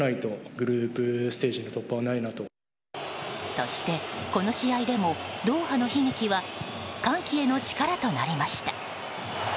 そして、この試合でもドーハの悲劇は歓喜への力となりました。